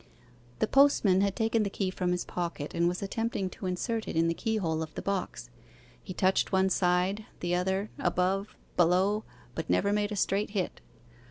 The postman had taken the key from his pocket and was attempting to insert it in the keyhole of the box. He touched one side, the other, above, below, but never made a straight hit.